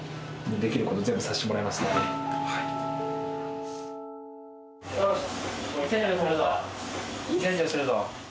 できること全部させてもらいますので。